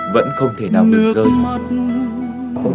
vẫn không thể nào đừng rơi